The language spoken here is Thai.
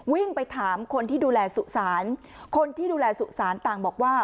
วิ่งไปถามคนที่ดูแลสุสานคนที่ดูแลสุสานต่างบอกว่า